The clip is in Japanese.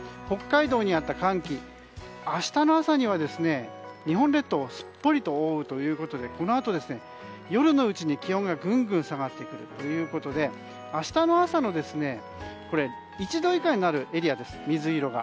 北海道にあった寒気明日の朝には日本列島をすっぽりと覆うということでこのあと、夜のうちに気温がぐんぐん下がってくるということで明日の朝水色が１度以下になるエリアです。